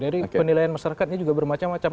dan kemudian pilihan masyarakat ini juga bermacam macam